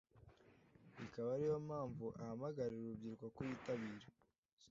ikaba ari yo mpamvu ahamagarira urubyiruko kuyitabira